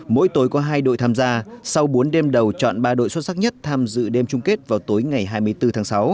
mỗi tối có hai đội tham gia sau bốn đêm đầu chọn ba đội xuất sắc nhất tham dự đêm chung kết vào tối ngày hai mươi bốn tháng sáu